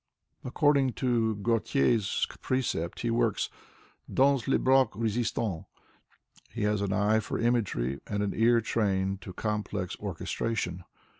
According to Gautier's precept, he worts "dans le bloc rei'tsianl.'' He has an eye for imagery and an ear trained to complex orchestration.